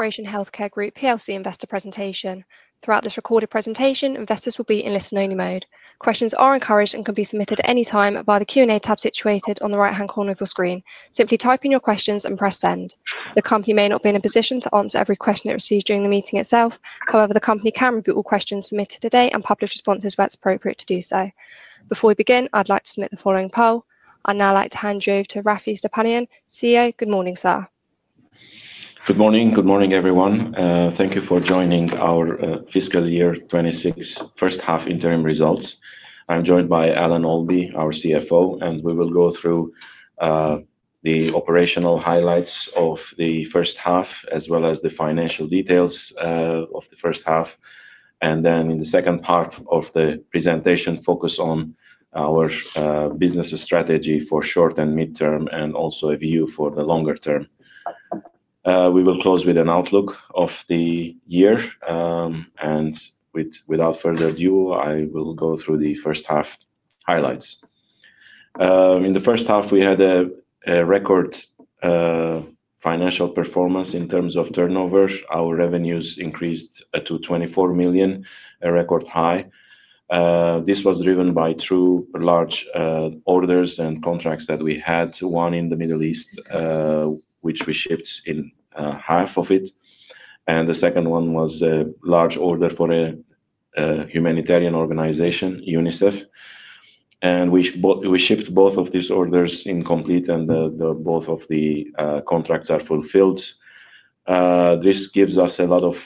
Inspiration Healthcare Group PLC Investor Presentation. Throughout this recorded presentation, investors will be in listen-only mode. Questions are encouraged and can be submitted at any time via the Q&A tab situated on the right-hand corner of your screen. Simply type in your questions and press send. The company may not be in a position to answer every question it receives during the meeting itself. However, the company can review all questions submitted today and publish responses when it's appropriate to do so. Before we begin, I'd like to submit the following poll. I'd now like to hand you over to Raffi Stepanian, CEO. Good morning, sir. Good morning. Good morning, everyone. Thank you for joining our Fiscal Year 2026 First Half Interim Results. I'm joined by Alan Olby, our CFO, and we will go through the operational highlights of the first half as well as the financial details of the first half. In the second half of the presentation, focus on our business strategy for short and mid-term and also a view for the longer term. We will close with an outlook of the year. Without further ado, I will go through the first half highlights. In the first half, we had a record financial performance in terms of turnover. Our revenues increased to 24 million, a record high. This was driven by two large orders and contracts that we had, one in the Middle East, which we shipped in half of it. The second one was a large order for a humanitarian organization, UNICEF. We shipped both of these orders in complete, and both of the contracts are fulfilled. This gives us a lot of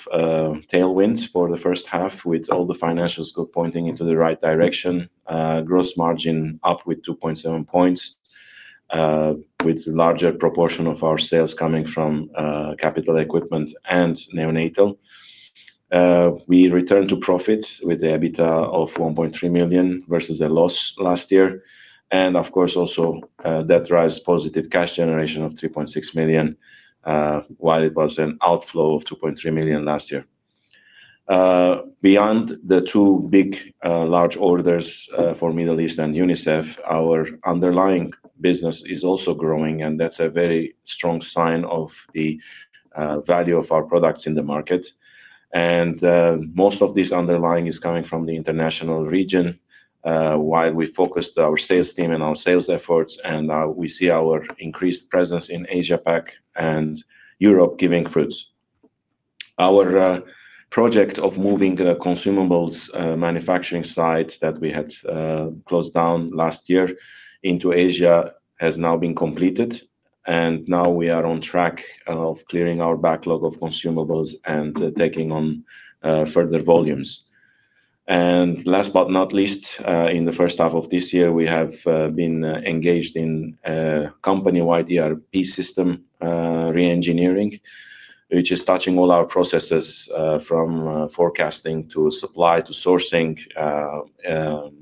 tailwinds for the first half, with all the financials pointing in the right direction. Gross margin up with 2.7 points, with a larger proportion of our sales coming from capital equipment and neonatal. We returned to profits with an EBITDA of 1.3 million versus a loss last year. Of course, also debt rise positive cash generation of 3.6 million, while it was an outflow of 2.3 million last year. Beyond the two big large orders for Middle East and UNICEF, our underlying business is also growing, and that's a very strong sign of the value of our products in the market. Most of this underlying is coming from the international region, while we focused our sales team and our sales efforts, and we see our increased presence in Asia-Pacific and Europe giving fruits. Our project of moving the consumables manufacturing site that we had closed down last year into Asia has now been completed, and now we are on track of clearing our backlog of consumables and taking on further volumes. Last but not least, in the first half of this year, we have been engaged in a company-wide ERP system re-engineering, which is touching all our processes from forecasting to supply to sourcing,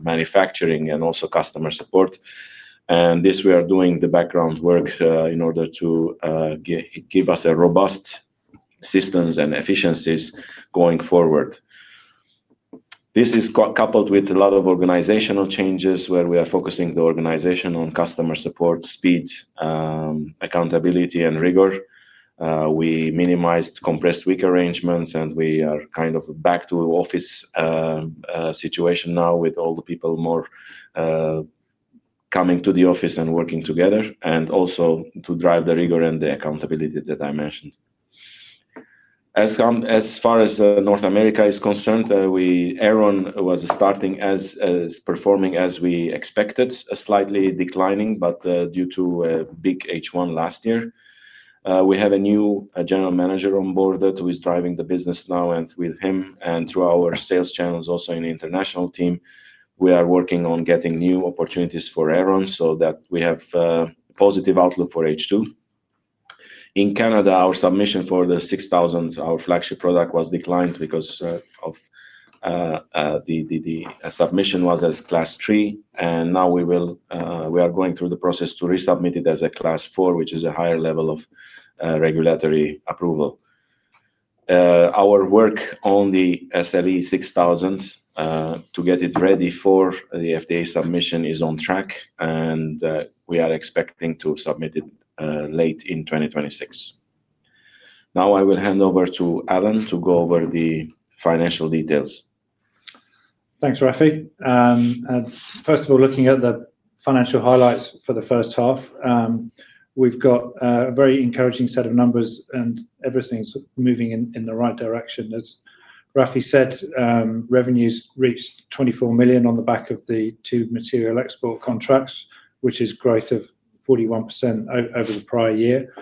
manufacturing, and also customer support. We are doing the background work in order to give us a robust system and efficiencies going forward. This is coupled with a lot of organizational changes where we are focusing the organization on customer support, speed, accountability, and rigor. We minimized compressed week arrangements, and we are kind of back to the office situation now with all the people more coming to the office and working together, and also to drive the rigor and the accountability that I mentioned. As far as North America is concerned, Aeron was performing as we expected, slightly declining, but due to a big H1 last year. We have a new General Manager on board that was driving the business now, and with him and through our sales channels also in the international team, we are working on getting new opportunities for Aeron so that we have a positive outlook for H2. In Canada, our submission for the 6,000, our flagship product, was declined because the submission was as class three, and now we are going through the process to resubmit it as a class four, which is a higher level of regulatory approval. Our work on the SLE6000 to get it ready for the FDA submission is on track, and we are expecting to submit it late in 2026. Now I will hand over to Adam to go over the financial details. Thanks, Raffi. First of all, looking at the financial highlights for the first half, we've got a very encouraging set of numbers, and everything's moving in the right direction. As Raffi said, revenues reached 24 million on the back of the two material export contracts, which is growth of 41% over the prior year.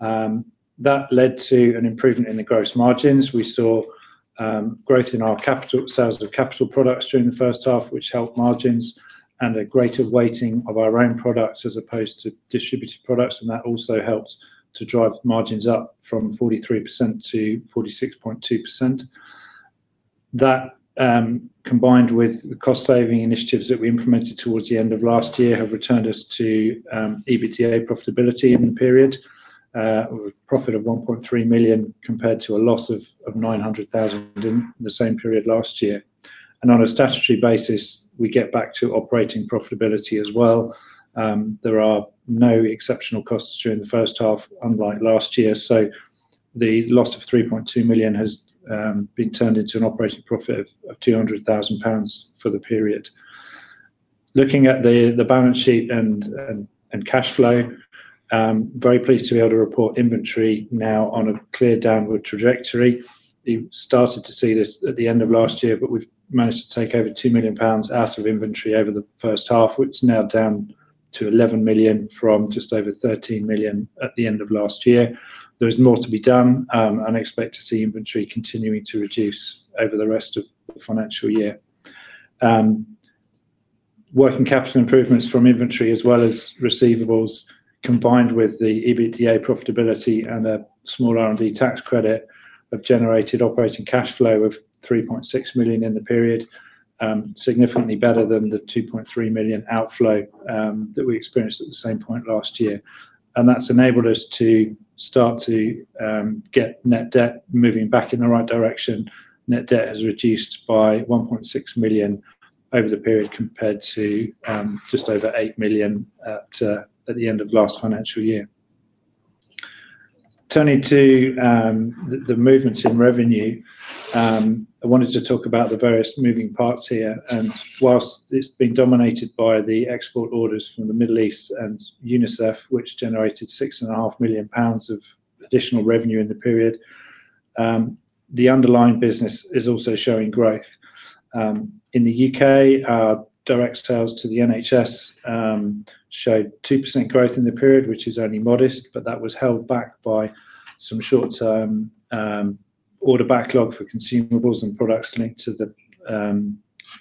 That led to an improvement in the gross margins. We saw growth in our capital sales of capital products during the first half, which helped margins and a greater weighting of our own products as opposed to distributed products, and that also helped to drive margins up from 43%-46.2%. That, combined with the cost-saving initiatives that we implemented towards the end of last year, have returned us to EBITDA profitability in the period, a profit of 1.3 million compared to a loss of 900,000 in the same period last year. On a statutory basis, we get back to operating profitability as well. There are no exceptional costs during the first half, unlike last year. The loss of 3.2 million has been turned into an operating profit of 200,000 pounds for the period. Looking at the balance sheet and cash flow, I'm very pleased to be able to report inventory now on a clear downward trajectory. You started to see this at the end of last year, but we've managed to take over 2 million pounds out of inventory over the first half, which is now down to 11 million from just over 13 million at the end of last year. There is more to be done, and I expect to see inventory continuing to reduce over the rest of the financial year. Working capital improvements from inventory as well as receivables, combined with the EBITDA profitability and a small R&D tax credit, have generated operating cash flow of 3.6 million in the period, significantly better than the 2.3 million outflow that we experienced at the same point last year. That's enabled us to start to get net debt moving back in the right direction. Net debt has reduced by 1.6 million over the period compared to just over 8 million at the end of last financial year. Turning to the movements in revenue, I wanted to talk about the various moving parts here. Whilst it's been dominated by the export orders from the Middle East and UNICEF, which generated 6.5 million pounds of additional revenue in the period, the underlying business is also showing growth. In the U.K., our direct sales to the NHS showed 2% growth in the period, which is only modest, but that was held back by some short-term order backlog for consumables and products linked to the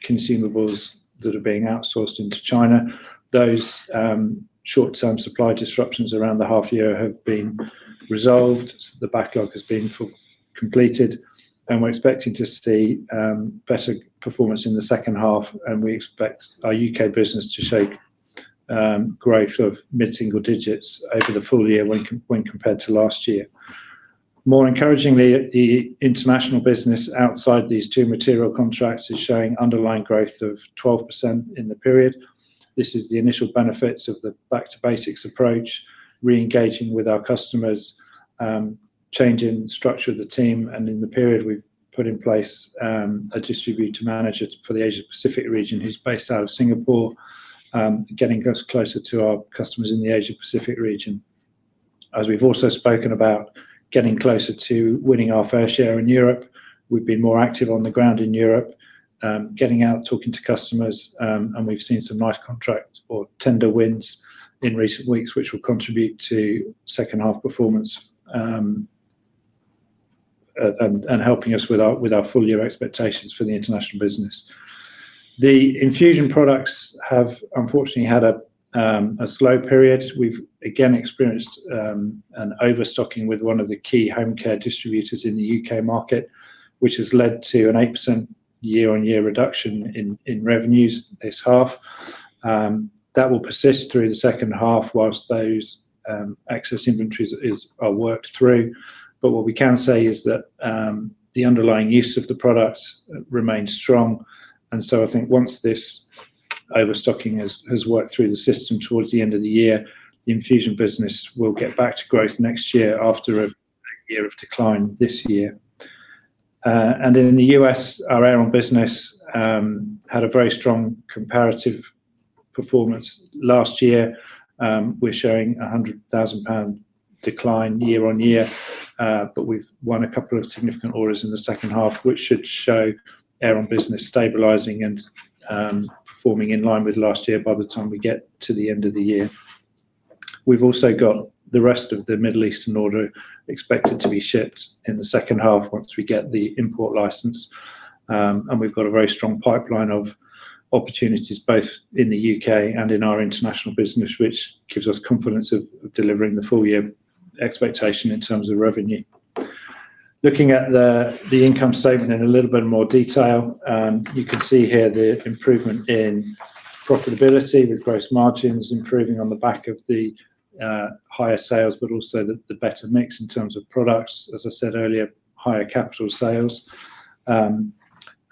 consumables that are being outsourced into Asia. Those short-term supply disruptions around the half year have been resolved. The backlog has been completed, and we're expecting to see better performance in the second half. We expect our U.K. business to show growth of mid-single digits over the full year when compared to last year. More encouragingly, the international business outside these two material contracts is showing underlying growth of 12% in the period. This is the initial benefits of the back to basics approach, re-engaging with our customers, changing the structure of the team, and in the period, we put in place a distributor manager for the Asia-Pacific region who's based out of Singapore, getting us closer to our customers in the Asia-Pacific region. As we've also spoken about, getting closer to winning our fair share in Europe. We've been more active on the ground in Europe, getting out, talking to customers, and we've seen some nice contracts or tender wins in recent weeks, which will contribute to second-half performance and helping us with our full-year expectations for the international business. The infusion product segment has unfortunately had a slow period. We've again experienced an overstocking with one of the key home care distributors in the U.K. market, which has led to an 8% year-on-year reduction in revenues this half. That will persist through the second half whilst those excess inventories are worked through. What we can say is that the underlying use of the products remains strong. I think once this overstocking has worked through the system towards the end of the year, the infusion product segment will get back to growth next year after a year of decline this year. In the U.S., our Aeron business had a very strong comparative performance last year. We're showing a 100,000 pound decline year-on-year, but we've won a couple of significant orders in the second half, which should show Aeron business stabilizing and forming in line with last year by the time we get to the end of the year. We've also got the rest of the Middle East order expected to be shipped in the second half once we get the import license. We have a very strong pipeline of opportunities both in the U.K. and in our international business, which gives us confidence of delivering the full-year expectation in terms of revenue. Looking at the income statement in a little bit more detail, you can see here the improvement in profitability with gross margins improving on the back of the higher sales, but also the better mix in terms of products. As I said earlier, higher capital sales.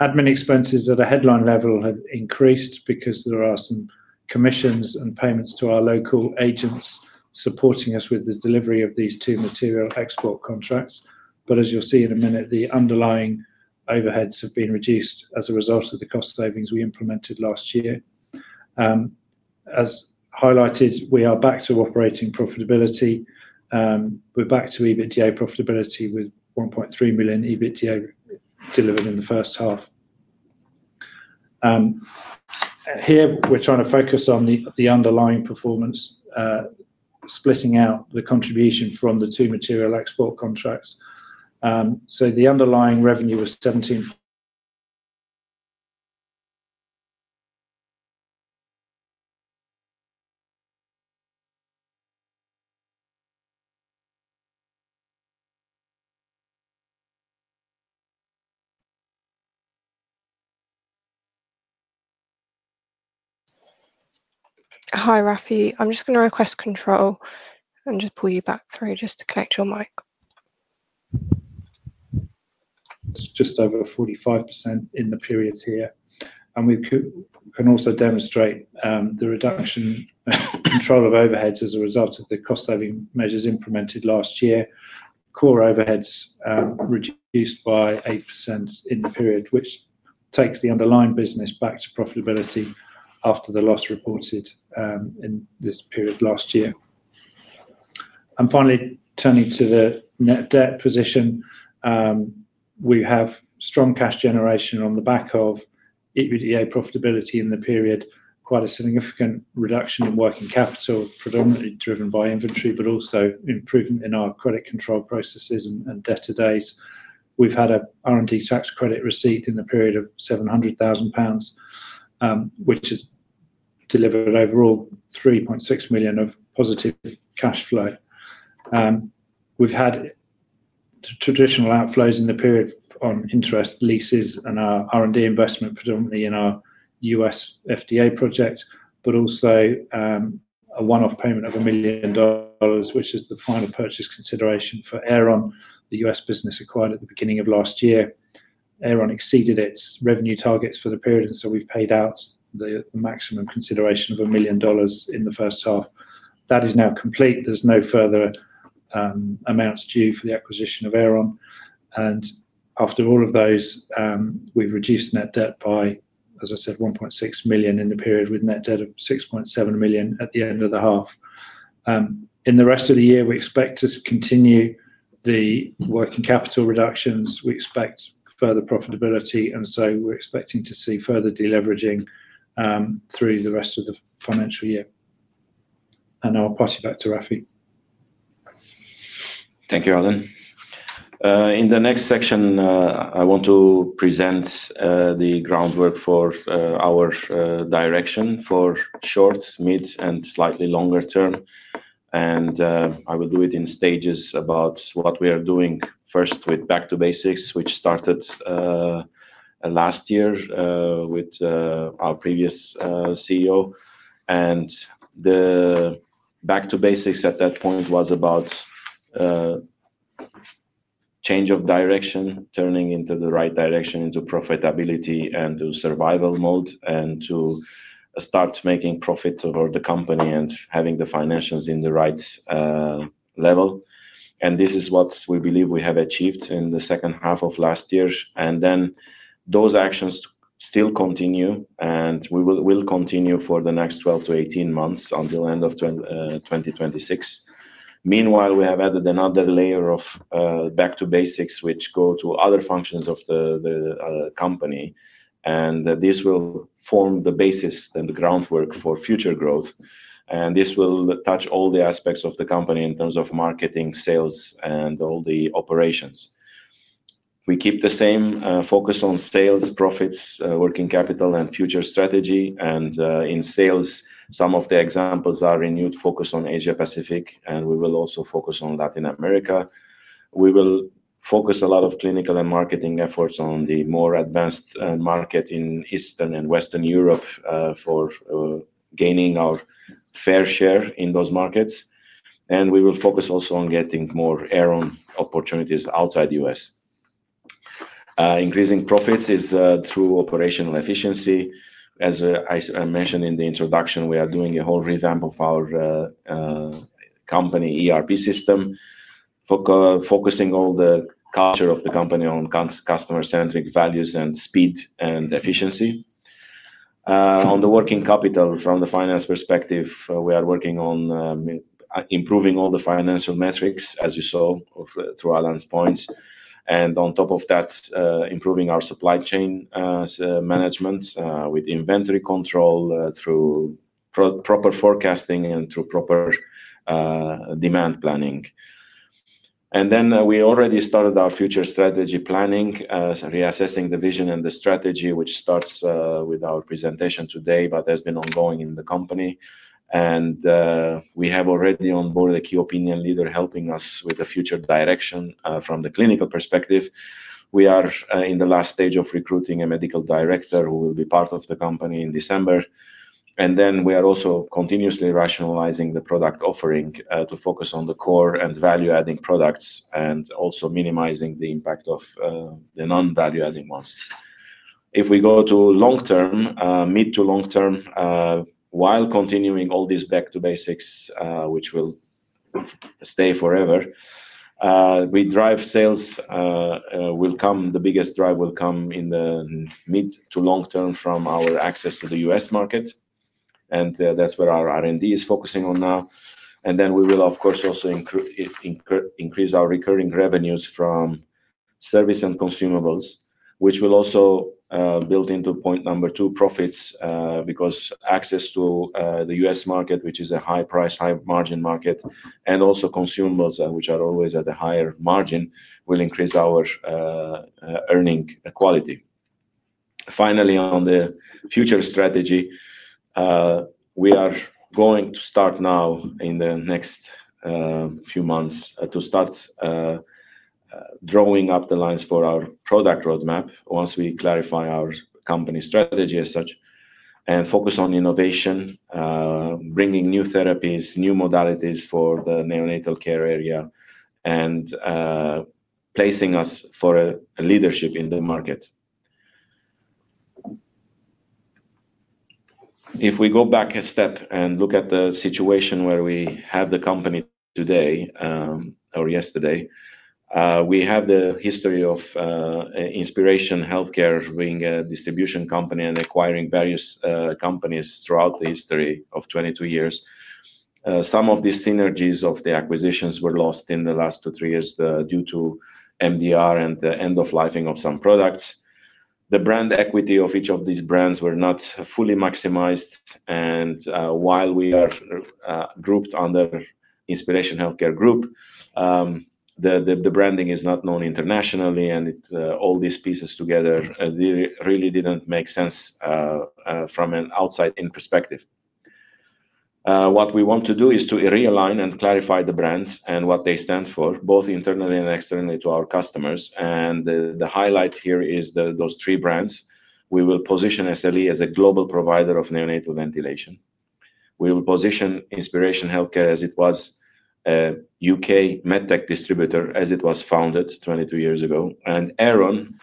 Admin expenses at a headline level have increased because there are some commissions and payments to our local agents supporting us with the delivery of these two material export contracts. As you'll see in a minute, the underlying overheads have been reduced as a result of the cost savings we implemented last year. As highlighted, we are back to operating profitability. We're back to EBITDA profitability with 1.3 million EBITDA delivered in the first half. Here, we're trying to focus on the underlying performance, splitting out the contribution from the two material export contracts. The underlying revenue was 17 million. Hi, Raffi. I'm just going to request control and pull you back through to connect your mic. Just over 45% in the period here. We can also demonstrate the reduction control of overheads as a result of the cost-saving measures implemented last year. Core overheads reduced by 8% in the period, which takes the underlying business back to profitability after the loss reported in this period last year. Finally, turning to the net debt position, we have strong cash generation on the back of EBITDA profitability in the period, quite a significant reduction in working capital, predominantly driven by inventory, but also improvement in our credit control processes and debt to date. We've had an R&D tax credit receipt in the period of 700,000 pounds, which has delivered overall 3.6 million of positive cash flow. We've had traditional outflows in the period on interest leases and our R&D investment, predominantly in our U.S. FDA project, but also a one-off payment of $1 million, which is the final purchase consideration for Aeron, the U.S. business acquired at the beginning of last year. Aeron exceeded its revenue targets for the period, and we've paid out the maximum consideration of $1 million in the first half. That is now complete. There's no further amounts due for the acquisition of Aeron. After all of those, we've reduced net debt by, as I said, 1.6 million in the period, with net debt of 6.7 million at the end of the half. In the rest of the year, we expect to continue the working capital reductions. We expect further profitability, and we're expecting to see further deleveraging through the rest of the financial year. Now I'll pass you back to Raffi. Thank you, Alan. In the next section, I want to present the groundwork for our direction for short, mid, and slightly longer term. I will do it in stages about what we are doing first with back to basics, which started last year with our previous CEO. The back to basics at that point was about change of direction, turning into the right direction into profitability and to survival mode, and to start making profit over the company and having the financials in the right level. This is what we believe we have achieved in the second half of last year. Those actions still continue and will continue for the next 12 months-18 months until the end of 2026. Meanwhile, we have added another layer of back to basics, which go to other functions of the company, and this will form the basis and the groundwork for future growth. This will touch all the aspects of the company in terms of marketing, sales, and all the operations. We keep the same focus on sales, profits, working capital, and future strategy. In sales, some of the examples are renewed focus on Asia-Pacific, and we will also focus on Latin America. We will focus a lot of clinical and marketing efforts on the more advanced market in Eastern and Western Europe for gaining our fair share in those markets. We will focus also on getting more Aeron opportunities outside the U.S. Increasing profits is through operational efficiency. As I mentioned in the introduction, we are doing a whole revamp of our company ERP system, focusing all the culture of the company on customer-centric values and speed and efficiency. On the working capital, from the finance perspective, we are working on improving all the financial metrics, as you saw through Alan's points. On top of that, improving our supply chain management with inventory control through proper forecasting and through proper demand planning. We already started our future strategy planning, reassessing the vision and the strategy, which starts with our presentation today, but has been ongoing in the company. We have already onboarded a key opinion leader helping us with the future direction from the clinical perspective. We are in the last stage of recruiting a Medical Director who will be part of the company in December. We are also continuously rationalizing the product offering to focus on the core and value-adding products and also minimizing the impact of the non-value-adding ones. If we go to long term, mid to long term, while continuing all these back to basics, which will stay forever, we drive sales. The biggest drive will come in the mid to long term from our access to the U.S. market. That's where our R&D is focusing on now. We will, of course, also increase our recurring revenues from service and consumables, which will also build into point number two, profits, because access to the U.S. market, which is a high-price, high-margin market, and also consumables, which are always at a higher margin, will increase our earning quality. Finally, on the future strategy, we are going to start now in the next few months to start drawing up the lines for our product roadmap once we clarify our company strategy as such, and focus on innovation, bringing new therapies, new modalities for the neonatal care area, and placing us for a leadership in the market. If we go back a step and look at the situation where we have the company today or yesterday, we have the history of Inspiration Healthcare being a distribution company and acquiring various companies throughout the history of 22 years. Some of these synergies of the acquisitions were lost in the last two or three years due to MDR and the end-of-lifing of some products. The brand equity of each of these brands was not fully maximized. While we are grouped under Inspiration Healthcare Group, the branding is not known internationally, and all these pieces together really didn't make sense from an outside-in perspective. What we want to do is to realign and clarify the brands and what they stand for, both internally and externally to our customers. The highlight here is those three brands. We will position SLE as a global provider of neonatal ventilation. We will position Inspiration Healthcare as it was, a U.K. medtech distributor as it was founded 22 years ago, and Aeron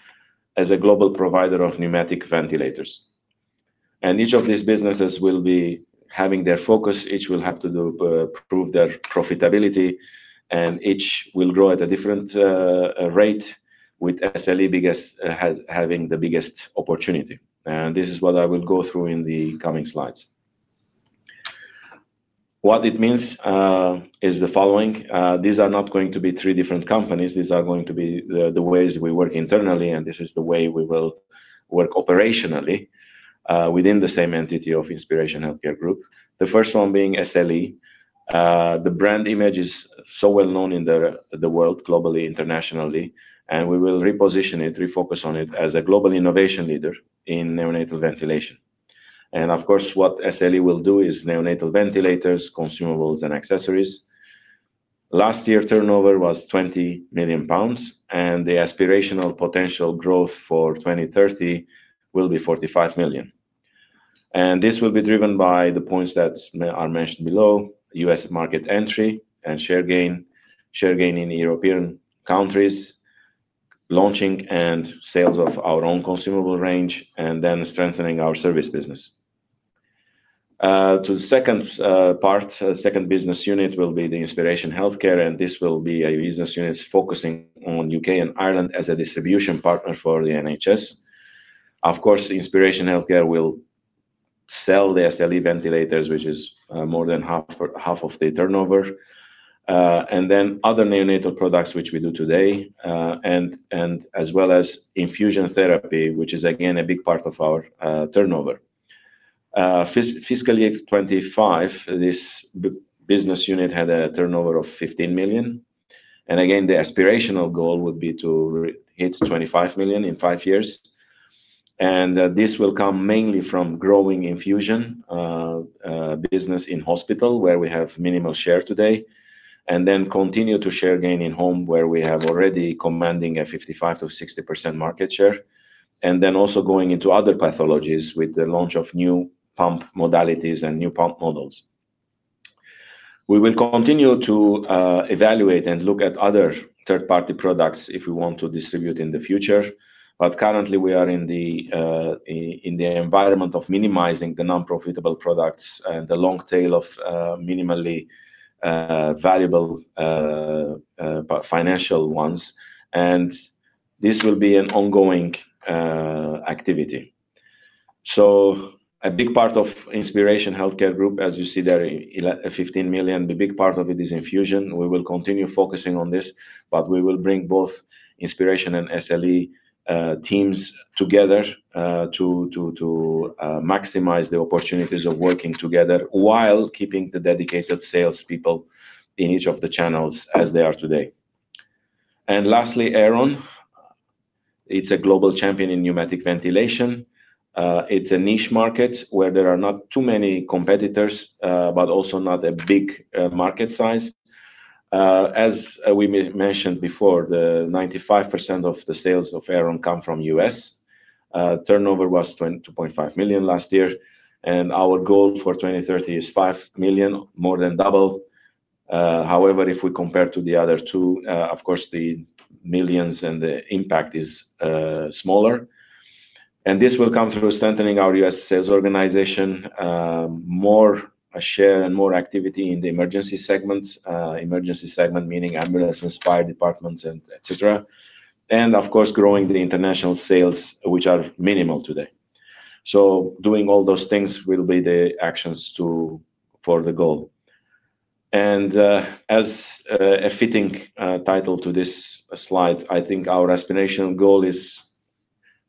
as a global provider of pneumatic ventilators. Each of these businesses will be having their focus. Each will have to prove their profitability, and each will grow at a different rate with SLE having the biggest opportunity. This is what I will go through in the coming slides. What it means is the following. These are not going to be three different companies. These are going to be the ways we work internally, and this is the way we will work operationally within the same entity of Inspiration Healthcare Group. The first one being SLE. The brand image is so well known in the world, globally, internationally, and we will reposition it, refocus on it as a global innovation leader in neonatal ventilation. Of course, what SLE will do is neonatal ventilators, consumables, and accessories. Last year, turnover was 20 million pounds, and the aspirational potential growth for 2030 will be 45 million. This will be driven by the points that are mentioned below: U.S. market entry and share gain, share gain in European countries, launching and sales of our own consumable range, and then strengthening our service business. To the second part, the second business unit will be the Inspiration Healthcare, and this will be a business unit focusing on U.K. and Ireland as a distribution partner for the NHS. Of course, Inspiration Healthcare will sell the SLE ventilators, which is more than half of the turnover, and then other neonatal products, which we do today, as well as infusion therapy, which is again a big part of our turnover. Fiscal year 2025, this business unit had a turnover of 15 million. The aspirational goal would be to hit 25 million in five years. This will come mainly from growing infusion business in hospital, where we have minimal share today, and then continue to share gain in home, where we have already commanding a 55%-60% market share, and also going into other pathologies with the launch of new pump modalities and new pump models. We will continue to evaluate and look at other third-party products if we want to distribute in the future. Currently, we are in the environment of minimizing the non-profitable products and the long tail of minimally valuable financial ones. This will be an ongoing activity. A big part of Inspiration Healthcare Group, as you see there, 15 million, a big part of it is infusion. We will continue focusing on this, but we will bring both Inspiration and SLE teams together to maximize the opportunities of working together while keeping the dedicated salespeople in each of the channels as they are today. Lastly, Aeron. It's a global champion in pneumatic ventilation. It's a niche market where there are not too many competitors, but also not a big market size. As we mentioned before, 95% of the sales of Aeron come from the U.S. Turnover was 2.5 million last year, and our goal for 2030 is 5 million, more than double. However, if we compare to the other two, the millions and the impact is smaller. This will come through strengthening our U.S. sales organization, more share, and more activity in the emergency segments, emergency segment meaning ambulances, fire departments, etc., and of course, growing the international sales, which are minimal today. Doing all those things will be the actions for the goal. As a fitting title to this slide, I think our aspirational goal is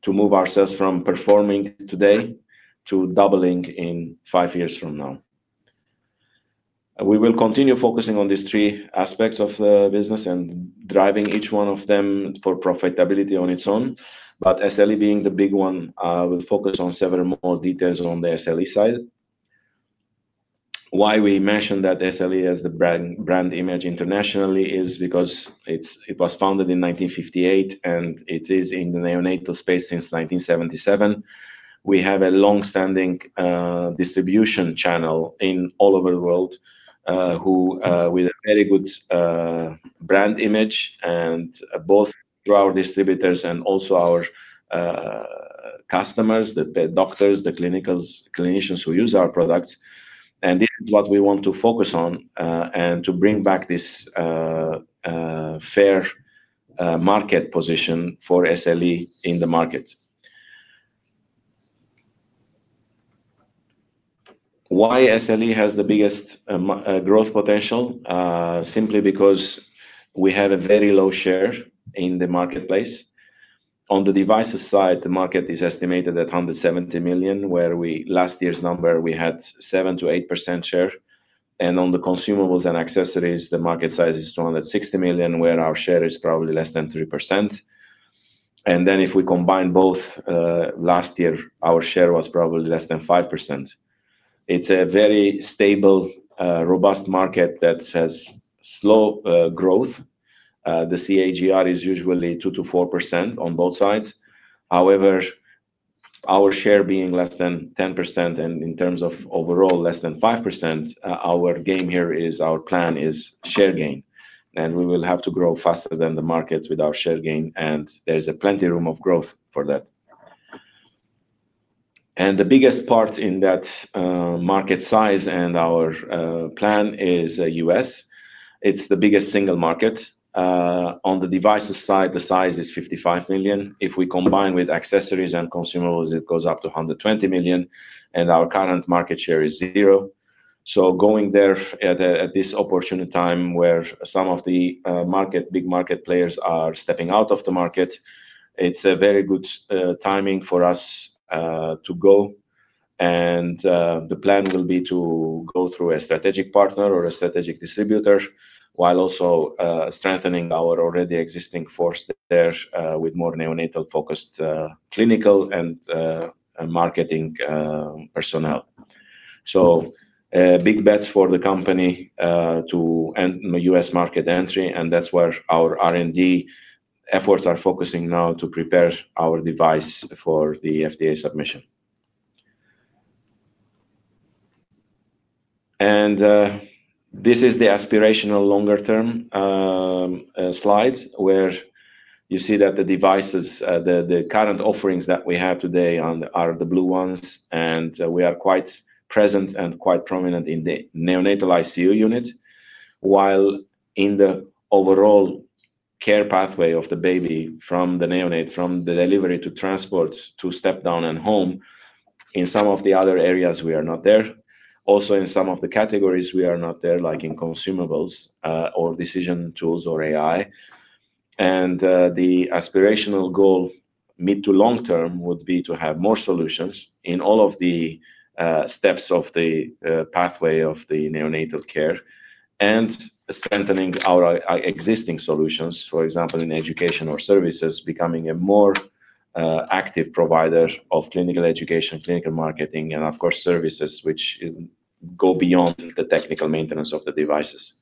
to move ourselves from performing today to doubling in five years from now. We will continue focusing on these three aspects of the business and driving each one of them for profitability on its own. SLE being the big one, I will focus on several more details on the SLE side. Why we mentioned that SLE as the brand image internationally is because it was founded in 1958, and it is in the neonatal space since 1977. We have a longstanding distribution channel all over the world with a very good brand image and both through our distributors and also our customers, the doctors, the clinicians who use our products. This is what we want to focus on and to bring back this fair market position for SLE in the market. Why SLE has the biggest growth potential? Simply because we have a very low share in the marketplace. On the devices side, the market is estimated at 170 million, where last year's number, we had 7%-8% share. On the consumables and accessories, the market size is 260 million, where our share is probably less than 3%. If we combine both, last year, our share was probably less than 5%. It's a very stable, robust market that has slow growth. The CAGR is usually 2%-4% on both sides. However, our share being less than 10% and in terms of overall less than 5%, our game here is our plan is share gain. We will have to grow faster than the markets with our share gain, and there is plenty of room of growth for that. The biggest part in that market size and our plan is the U.S. It's the biggest single market. On the devices side, the size is 55 million. If we combine with accessories and consumables, it goes up to 120 million, and our current market share is zero. Going there at this opportune time where some of the big market players are stepping out of the market, it's a very good timing for us to go. The plan will be to go through a strategic partner or a strategic distributor while also strengthening our already existing force there with more neonatal-focused clinical and marketing personnel. Big bets for the company to end the U.S. market entry, and that's where our R&D efforts are focusing now to prepare our device for the FDA submission. This is the aspirational longer-term slide where you see that the devices, the current offerings that we have today, are the blue ones, and we are quite present and quite prominent in the neonatal ICU unit. While in the overall care pathway of the baby from the neonate, from the delivery to transport to step down and home, in some of the other areas, we are not there. Also, in some of the categories, we are not there, like in consumables or decision tools or AI. The aspirational goal mid to long term would be to have more solutions in all of the steps of the pathway of the neonatal care and strengthening our existing solutions, for example, in education or services, becoming a more active provider of clinical education, clinical marketing, and of course, services which go beyond the technical maintenance of the devices.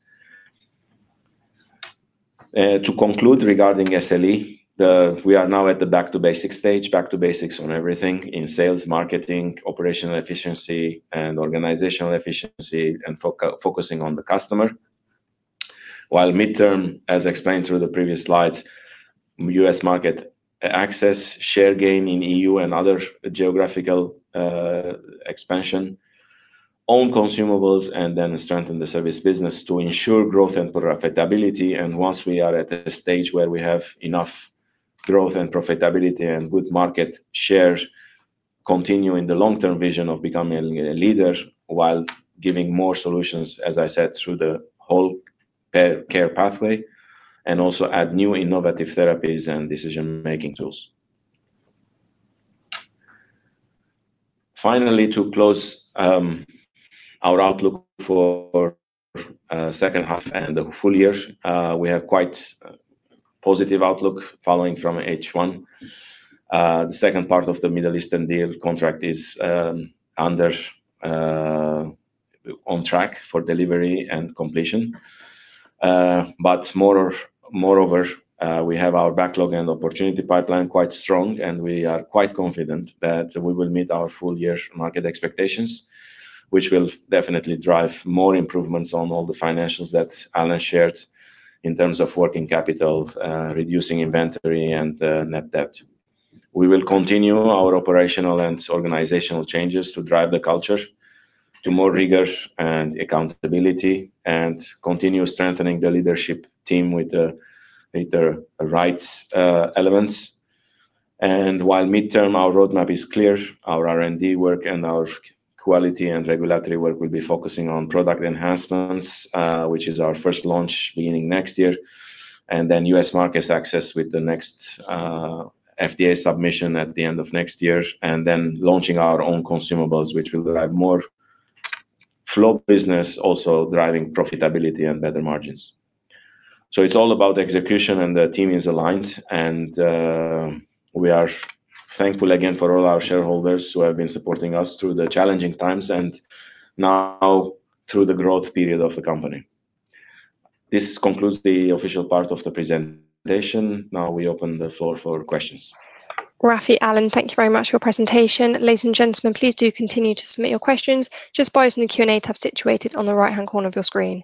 To conclude regarding SLE, we are now at the back to basics stage, back to basics on everything in sales, marketing, operational efficiency, and organizational efficiency, and focusing on the customer. While mid-term, as explained through the previous slides, U.S. market access, share gain in EU and other geographical expansion, own consumables, and then strengthen the service business to ensure growth and profitability. Once we are at a stage where we have enough growth and profitability and good market share, continue in the long-term vision of becoming a leader while giving more solutions, as I said, through the whole care pathway and also add new innovative therapies and decision-making tools. Finally, to close our outlook for the second half and the full year, we have quite a positive outlook following from H1. The second part of the Middle East deal contract is on track for delivery and completion. Moreover, we have our backlog and opportunity pipeline quite strong, and we are quite confident that we will meet our full-year market expectations, which will definitely drive more improvements on all the financials that Alan shared in terms of working capital, reducing inventory, and net debt. We will continue our operational and organizational changes to drive the culture to more rigor and accountability and continue strengthening the leadership team with the right elements. While mid-term, our roadmap is clear. Our R&D work and our quality and regulatory work will be focusing on product enhancements, which is our first launch beginning next year, and then U.S. market access with the next FDA submission at the end of next year, and then launching our own consumables, which will drive more flow business, also driving profitability and better margins. It is all about execution, and the team is aligned. We are thankful again for all our shareholders who have been supporting us through the challenging times and now through the growth period of the company. This concludes the official part of the presentation. Now we open the floor for questions. Raffi, Alan, thank you very much for your presentation. Ladies and gentlemen, please do continue to submit your questions just by using the Q&A tab situated on the right-hand corner of your screen.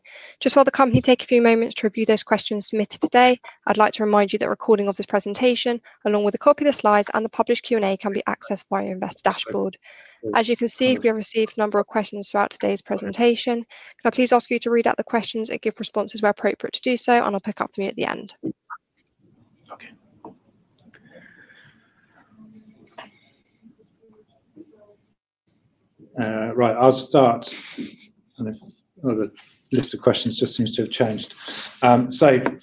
While the company takes a few moments to review those questions submitted today, I'd like to remind you that the recording of this presentation, along with a copy of the slides and the published Q&A, can be accessed via your Investor Dashboard. As you can see, we have received a number of questions throughout today's presentation. Can I please ask you to read out the questions and give responses where appropriate to do so, and I'll pick up from you at the end. Right. I'll start. The list of questions just seems to have changed.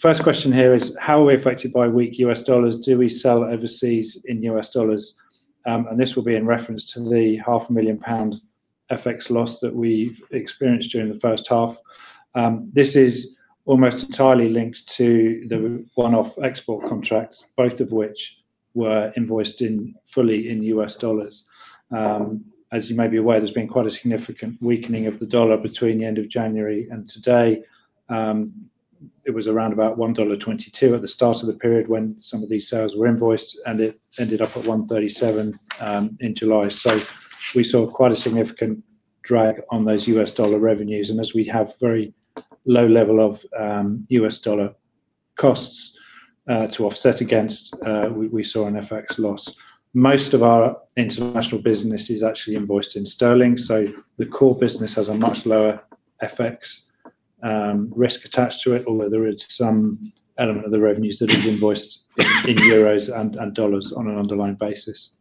First question here is, how are we affected by weak US dollars? Do we sell overseas in US dollars? This will be in reference to the 500,000 pound FX loss that we've experienced during the first half. This is almost entirely linked to the one-off export contracts, both of which were invoiced fully in US dollars. As you may be aware, there's been quite a significant weakening of the dollar between the end of January and today. It was around about GBP 1.22 at the start of the period when some of these sales were invoiced, and it ended up at 1.37 in July. We saw quite a significant drag on those U.S. dollar revenues. As we have a very low level of U.S. dollar costs to offset against, we saw an FX loss. Most of our international business is actually invoiced in sterling, so the core business has a much lower FX risk attached to it, although there is some element of the revenues that is invoiced in euros and dollars on an underlying basis.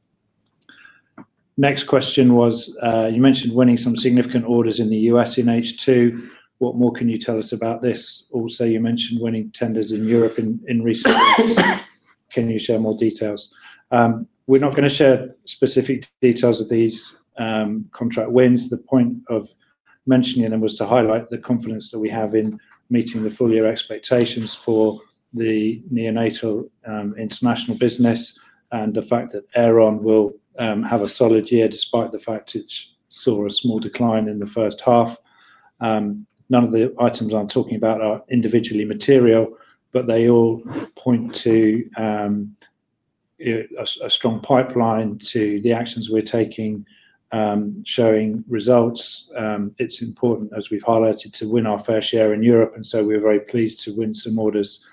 Next question was, you mentioned winning some significant orders in the U.S. in H2. What more can you tell us about this? Also, you mentioned winning tenders in Europe in recent years. Can you share more details? We're not going to share specific details of these contract wins. The point of mentioning them was to highlight the confidence that we have in meeting the full-year expectations for the neonatal international business and the fact that Aeron will have a solid year, despite the fact it saw a small decline in the first half. None of the items I'm talking about are individually material, but they all point to a strong pipeline to the actions we're taking, showing results. It's important, as we've highlighted, to win our fair share in Europe. We are very pleased to win some orders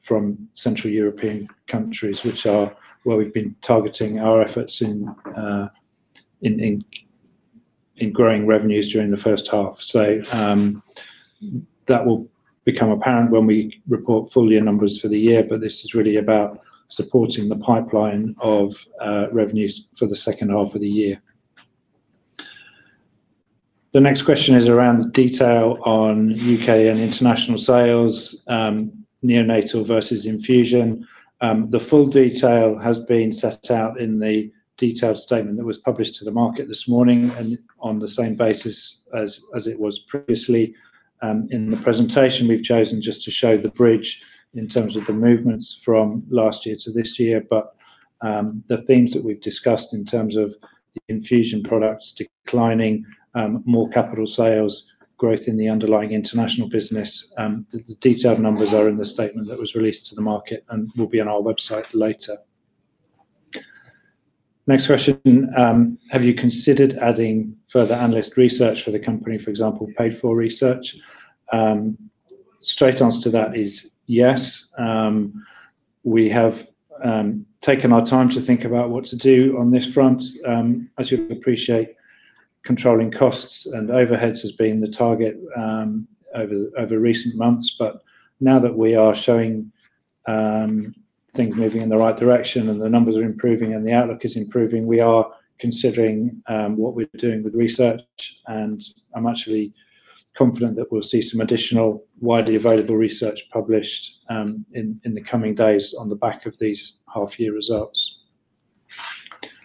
from Central European countries, which are where we've been targeting our efforts in growing revenues during the first half. That will become apparent when we report full-year numbers for the year, but this is really about supporting the pipeline of revenues for the second half of the year. The next question is around the detail on U.K. and international sales, neonatal versus infusion. The full detail has been set out in the detailed statement that was published to the market this morning and on the same basis as it was previously in the presentation. We've chosen just to show the bridge in terms of the movements from last year to this year. The themes that we've discussed in terms of infusion products declining, more capital sales, growth in the underlying international business, the detailed numbers are in the statement that was released to the market and will be on our website later. Next question, have you considered adding further analyst research for the company, for example, paid-for research? Straight answer to that is yes. We have taken our time to think about what to do on this front, as you can appreciate, controlling costs and overheads has been the target over recent months. Now that we are showing things moving in the right direction and the numbers are improving and the outlook is improving, we are considering what we're doing with research. I'm actually confident that we'll see some additional widely available research published in the coming days on the back of these half-year results.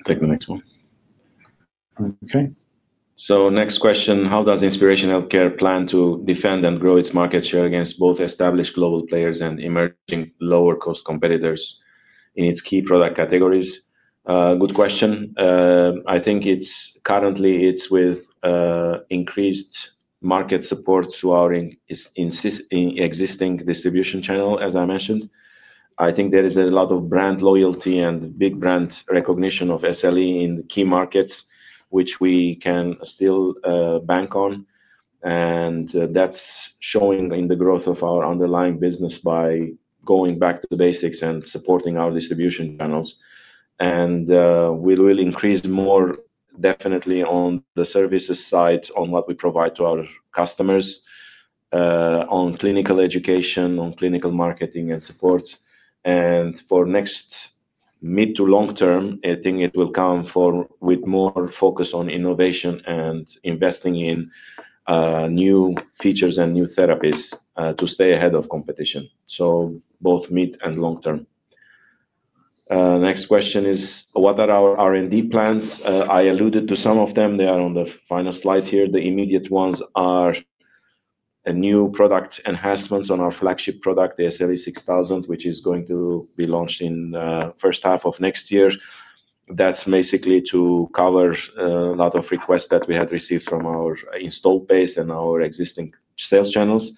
Take the next one. Okay. Next question, how does Inspiration Healthcare plan to defend and grow its market share against both established global players and emerging lower-cost competitors in its key product categories? Good question. I think currently it's with increased market support to our existing distribution channel, as I mentioned. I think there is a lot of brand loyalty and big brand recognition of SLE in key markets, which we can still bank on. That is showing in the growth of our underlying business by going back to the basics and supporting our distribution channels. We will increase more definitely on the services side on what we provide to our customers, on clinical education, on clinical marketing, and support. For next mid to long term, I think it will come with more focus on innovation and investing in new features and new therapies to stay ahead of competition, both mid and long term. Next question is, what are our R&D plans? I alluded to some of them. They are on the final slide here. The immediate ones are new product enhancements on our flagship product, the SLE6000, which is going to be launched in the first half of next year. That's basically to cover a lot of requests that we had received from our install base and our existing sales channels.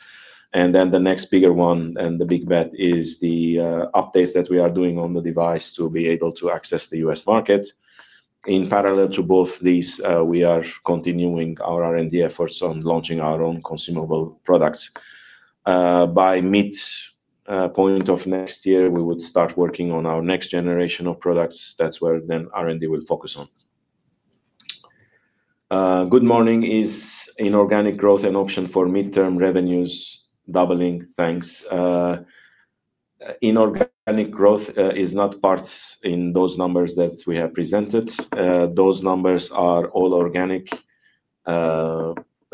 The next bigger one and the big bet is the updates that we are doing on the device to be able to access the U.S. market. In parallel to both these, we are continuing our R&D efforts on launching our own consumable products. By midpoint of next year, we would start working on our next generation of products. That's where then R&D will focus on. Good morning. Is inorganic growth an option for mid-term revenues doubling? Thanks. Inorganic growth is not part in those numbers that we have presented. Those numbers are all organic,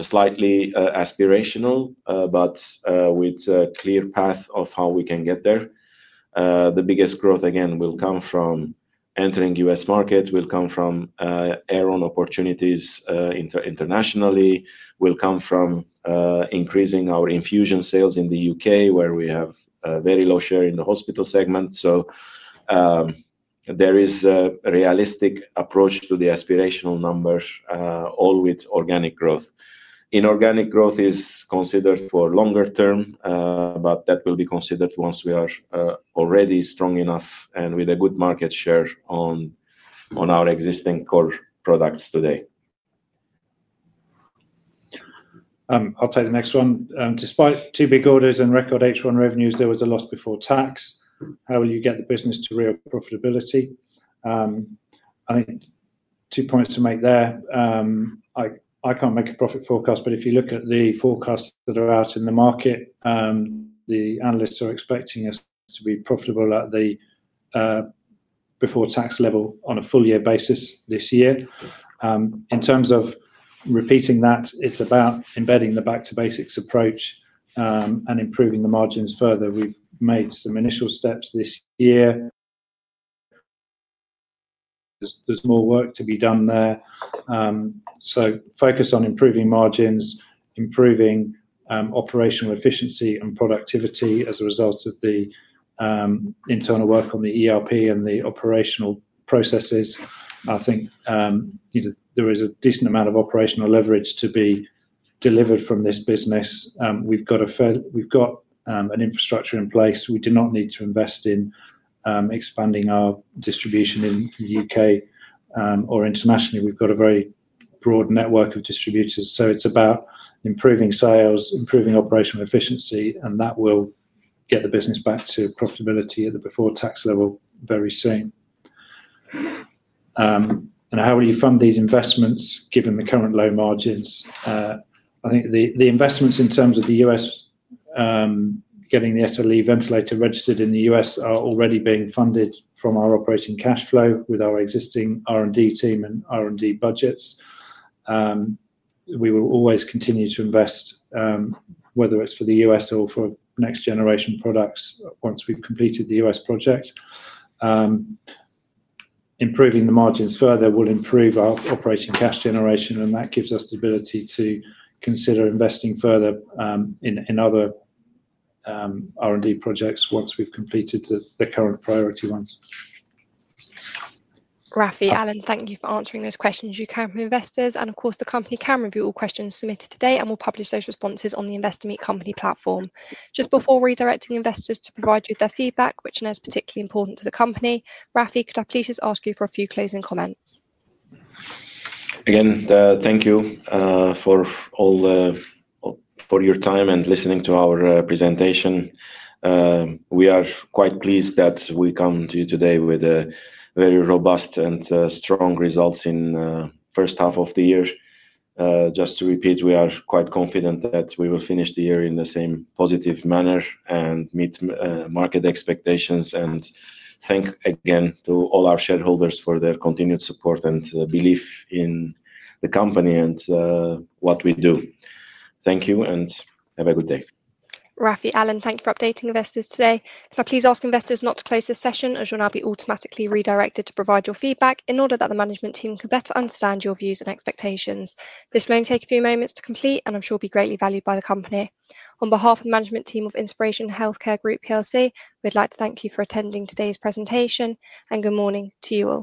slightly aspirational, but with a clear path of how we can get there. The biggest growth, again, will come from entering U.S. market, will come from Aeron opportunities internationally, will come from increasing our infusion sales in the U.K., where we have a very low share in the hospital segment. There is a realistic approach to the aspirational number, all with organic growth. Inorganic growth is considered for longer term, but that will be considered once we are already strong enough and with a good market share on our existing core products today. I'll take the next one. Despite two big orders and record H1 revenues, there was a loss before tax. How will you get the business to real profitability? I think two points to make there. I can't make a profit forecast, but if you look at the forecasts that are out in the market, the analysts are expecting us to be profitable at the before-tax level on a full-year basis this year. In terms of repeating that, it's about embedding the back to basics approach and improving the margins further. We've made some initial steps this year. There's more work to be done there. Focus on improving margins, improving operational efficiency and productivity as a result of the internal work on the ERP system and the operational processes. I think there is a decent amount of operational leverage to be delivered from this business. We've got an infrastructure in place. We do not need to invest in expanding our distribution in the U.K. or internationally. We've got a very broad network of distributors. It's about improving sales, improving operational efficiency, and that will get the business back to profitability at the before-tax level very soon. How will you fund these investments given the current low margins? I think the investments in terms of the U.S., getting the SLE neonatal ventilator registered in the U.S., are already being funded from our operating cash flow with our existing R&D team and R&D budgets. We will always continue to invest, whether it's for the U.S. or for next-generation products once we've completed the U.S. project. Improving the margins further will improve our operating cash generation, and that gives us the ability to consider investing further in other R&D projects once we've completed the current priority ones. Raffi, Alan, thank you for answering those questions you can from investors. The company can review all questions submitted today and will publish those responses on the Investor Meet Company platform. Just before redirecting investors to provide you with their feedback, which I know is particularly important to the company, Raffi, could I please just ask you for a few closing comments? Again, thank you for your time and listening to our presentation. We are quite pleased that we come to you today with very robust and strong results in the first half of the year. Just to repeat, we are quite confident that we will finish the year in the same positive manner and meet market expectations. Thank you again to all our shareholders for their continued support and belief in the company and what we do. Thank you and have a good day. Raffi, Alan, thank you for updating investors today. If I please ask investors not to close the session, as you'll now be automatically redirected to provide your feedback in order that the management team can better understand your views and expectations. This may only take a few moments to complete, and I'm sure will be greatly valued by the company. On behalf of the management team of Inspiration Healthcare Group PLC, we'd like to thank you for attending today's presentation and good morning to you all.